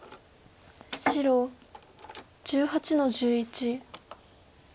白１８の十一。